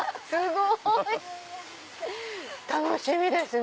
楽しみですね